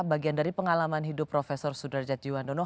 bagian dari pengalaman hidup profesor sudarjat jiwan dono